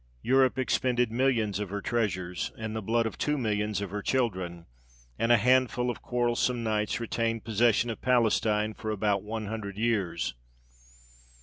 Europe expended millions of her treasures, and the blood of two millions of her children; and a handful of quarrelsome knights retained possession of Palestine for about one hundred years!